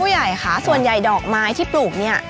ใหญ่ค่ะส่วนใหญ่ดอกไม้ที่ปลูกเนี่ย